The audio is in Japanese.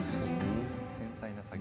繊細な作業。